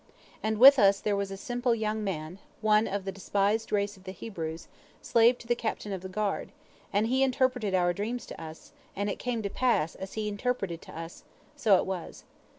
And with us there was a simple young man, one of the despised race of the Hebrews, slave to the captain of the guard, and he interpreted our dreams to us, and it came to pass, as he interpreted to us, so it was.